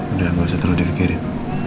udah gak usah terlalu dipikirin